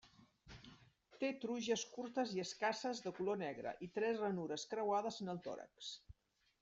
Té truges curtes i escasses de color negre i tres ranures creuades en el tòrax.